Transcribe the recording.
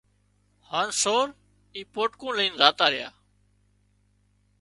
هانَ سور اي پوٽڪون لئينَ زاتا ريا